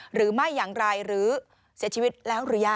หรือไม่อย่างไรหรือเสียชีวิตแล้วหรือยัง